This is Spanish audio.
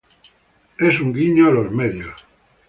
Es un guiño a los medios.